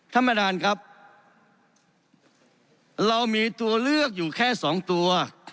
ท่านประธานครับเรามีตัวเลือกอยู่แค่สองตัว